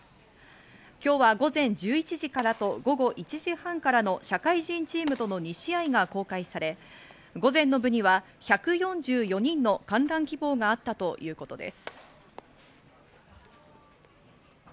今日は午前１１時からと午後１時半からの社会人チームとの２試合が公開され、午前の部には１４４人の観覧希望があったということです。